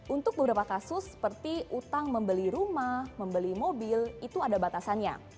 untuk beberapa kasus seperti utang membeli rumah membeli mobil itu ada batasannya